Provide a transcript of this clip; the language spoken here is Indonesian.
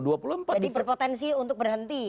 jadi berpotensi untuk berhenti